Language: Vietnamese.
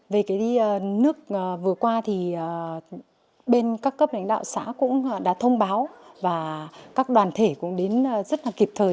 về cái đi nước vừa qua thì bên các cấp lãnh đạo xã cũng đã thông báo và các đoàn thể cũng đến rất là kịp thời